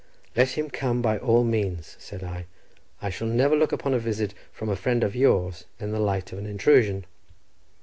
"Let him come by all means," said I; "I shall never look upon a visit from a friend of yours in the light of an intrusion."